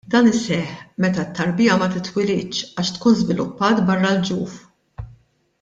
Dan iseħħ meta t-tarbija ma titwilidx għax tkun żviluppat barra l-ġuf.